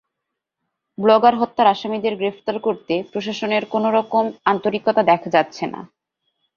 Blogger হত্যার আসামিদের গ্রেপ্তার করতে প্রশাসনের কোনো রকম আন্তরিকতা দেখা যাচ্ছে না।